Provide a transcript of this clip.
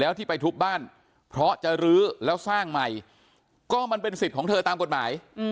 แล้วที่ไปทุบบ้านเพราะจะรื้อแล้วสร้างใหม่ก็มันเป็นสิทธิ์ของเธอตามกฎหมาย